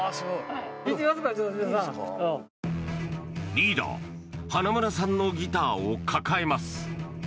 リーダー花村さんのギターを抱えます。